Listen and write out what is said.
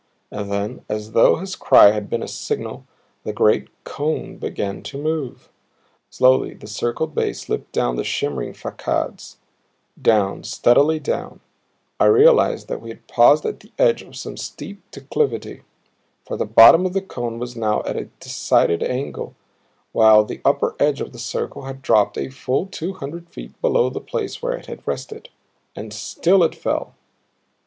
And then, as though his cry had been a signal, the great cone began to move. Slowly the circled base slipped down the shimmering facades; down, steadily down; I realized that we had paused at the edge of some steep declivity, for the bottom of the cone was now at a decided angle while the upper edge of the circle had dropped a full two hundred feet below the place where it had rested and still it fell.